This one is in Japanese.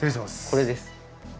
これです。